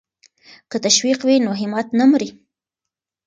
که تشویق وي نو همت نه مري.